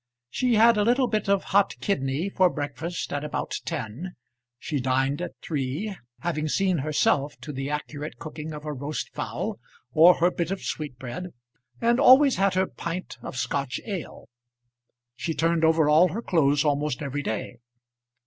She had a little bit of hot kidney for breakfast at about ten; she dined at three, having seen herself to the accurate cooking of her roast fowl, or her bit of sweetbread, and always had her pint of Scotch ale. She turned over all her clothes almost every day.